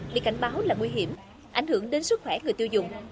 bị cảnh báo là nguy hiểm ảnh hưởng đến sức khỏe người tiêu dùng